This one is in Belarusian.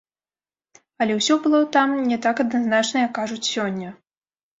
Але ўсё было там не так адназначна, як кажуць сёння.